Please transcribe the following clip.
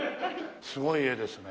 すごい絵ですね。